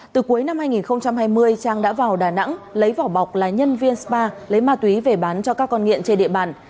từ cuối năm hai nghìn hai mươi trang đã vào đà nẵng lấy vỏ bọc là nhân viên spa lấy ma túy về bán cho các con nghiện trên địa bàn